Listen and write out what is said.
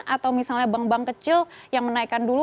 atau misalnya bank bank kecil yang menaikkan dulu